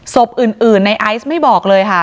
ศพอื่นในไอซ์ไม่บอกเลยค่ะ